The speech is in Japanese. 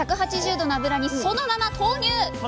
１８０℃の油にそのまま投入！